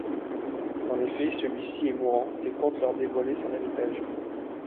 En effet, celui-ci est mourant et compte leur dévoiler son héritage.